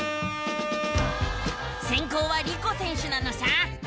せんこうはリコ選手なのさ！